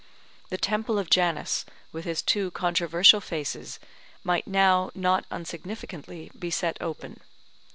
The temple of Janus with his two controversial faces might now not unsignificantly be set open.